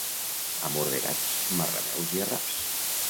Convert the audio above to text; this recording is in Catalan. Amor de gats, marrameus i arraps.